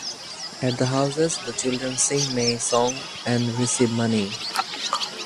At the houses the children sing May songs and receive money.